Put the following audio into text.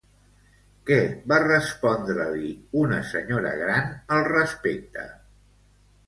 Què va respondre-li una senyora gran al respecte?